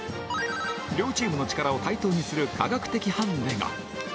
両チームの力を対等にする科学的ハンデが